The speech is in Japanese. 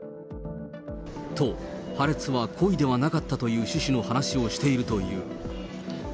と、破裂は故意ではなかったという趣旨の話をしているという。